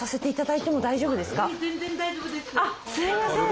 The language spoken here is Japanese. あっすいません。